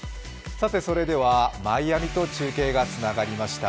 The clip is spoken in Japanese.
それではマイアミと中継がつながりました。